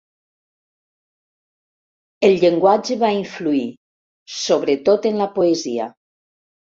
El llenguatge va influir, sobretot en la poesia.